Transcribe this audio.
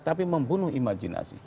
tapi membunuh imajinasi